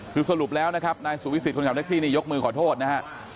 คือสรุปแล้วนะครับนายสุวิสิตคนขับแท็กซี่นี่ยกมือขอโทษนะฮะ